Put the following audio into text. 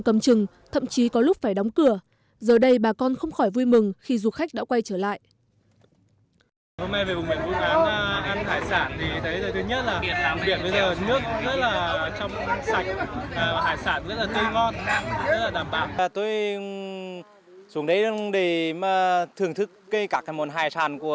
cầm chừng thậm chí có lúc phải đóng cửa giờ đây bà con không khỏi vui mừng khi du khách đã quay trở lại